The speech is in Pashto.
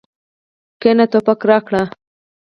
کېنه ټوپک راکړه.